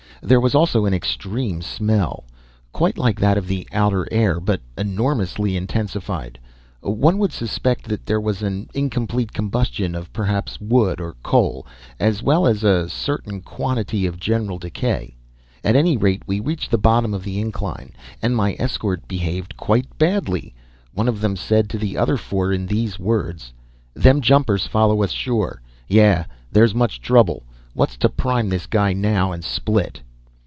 There was also an extreme smell, quite like that of the outer air, but enormously intensified; one would suspect that there was an incomplete combustion of, perhaps, wood or coal, as well as a certain quantity of general decay. At any rate, we reached the bottom of the incline, and my escort behaved quite badly. One of them said to the other four, in these words: "Them jumpers follow us sure. Yeah, there's much trouble. What's to prime this guy now and split?"